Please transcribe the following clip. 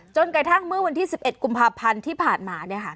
กระทั่งเมื่อวันที่๑๑กุมภาพันธ์ที่ผ่านมา